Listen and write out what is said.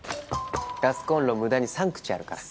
ガスコンロ無駄に３口あるから。